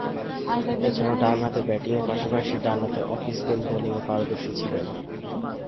এছাড়াও, ডানহাতে ব্যাটিংয়ের পাশাপাশি ডানহাতে অফ স্পিন বোলিংয়ে পারদর্শী ছিলেন।